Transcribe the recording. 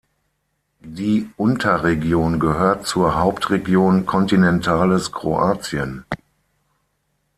Die Unterregion gehört zur Hauptregion kontinentales Kroatien.